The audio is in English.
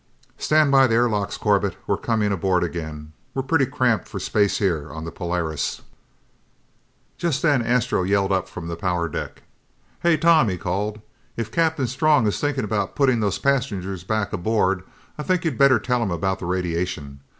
"Stand by the air locks, Corbett, we're coming aboard again. We're pretty cramped for space here on the Polaris." Just then Astro yelled up from the power deck. "Hey, Tom!" he called. "If Captain Strong is thinking about putting those passengers back aboard, I think you'd better tell him about the radiation.